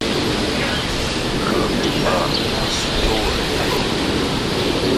He cooked up the story overnight.